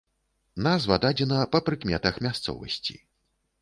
Назва дадзена па прыкметах мясцовасці.